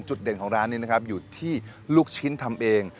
เด่นของร้านนี้นะครับอยู่ที่ลูกชิ้นทำเอง